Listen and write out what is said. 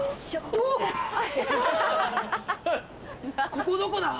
ここどこだ？